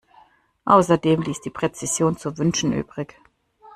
Außerdem ließ die Präzision zu wünschen übrig.